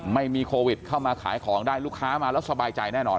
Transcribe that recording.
ไม่มีโควิดเข้ามาขายของได้ลูกค้ามาแล้วสบายใจแน่นอน